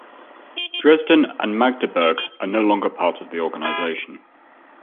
Dresden and Magdeburg are no longer part of the organization.